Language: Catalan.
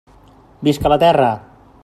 Visca la terra!